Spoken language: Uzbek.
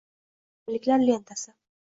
Yangiliklar lentasi